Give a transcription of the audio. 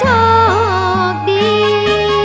ก็มี